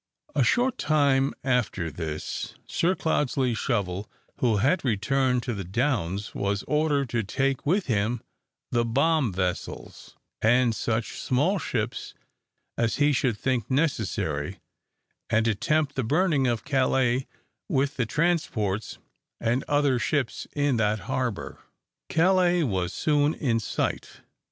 A short time after this, Sir Cloudesley Shovel, who had returned to the Downs, was ordered to take with him the bomb vessels, and such small ships as he should think necessary; and attempt the burning of Calais with the transports, and other ships in that harbour. Calais was soon in sight.